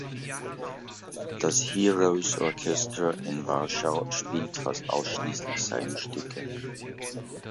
Das "Heroesorchestra" in Warschau spielt fast ausschließlich seine Stücke.